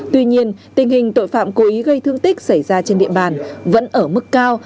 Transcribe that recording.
tuy nhiên tình hình tội phạm cố ý gây thương tích xảy ra trên địa bàn vẫn ở mức cao